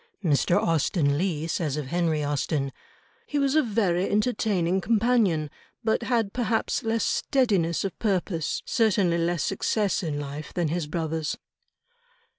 Mr. Austen Leigh says of Henry Austen, "He was a very entertaining companion, but had perhaps less steadiness of purpose, certainly less success in life, than his brothers."